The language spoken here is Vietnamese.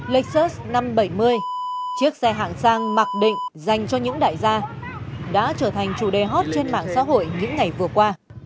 laser năm trăm bảy mươi chiếc xe hạng sang mặc định dành cho những đại gia đã trở thành chủ đề hot trên mạng xã hội những ngày vừa qua